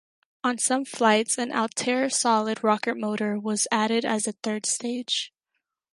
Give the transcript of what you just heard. On some flights, an Altair solid rocket motor was added as a third stage.